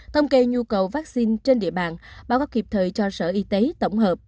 thông kê nhu cầu vaccine trên địa bàn báo các hiệp thời cho sở y tế tổng hợp